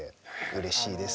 うれしいです。